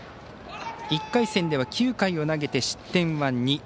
１回戦では９回を投げて失点は２。